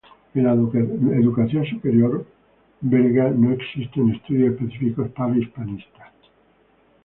En la educación superior belga, no existen estudios específicos para hispanistas.